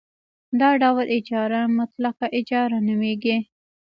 دا ډول اجاره مطلقه اجاره نومېږي